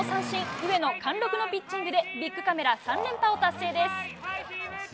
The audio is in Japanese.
上野、貫禄のピッチングでビックカメラ３連覇を達成です。